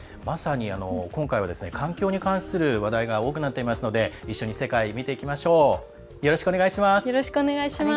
まさに今回は環境に関する話題が多くなっていますので一緒に世界、見ていきましょう。